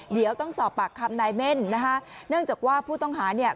เดี๋ยวต้องสอบปากคำนายเม่นนะคะเนื่องจากว่าผู้ต้องหาเนี่ย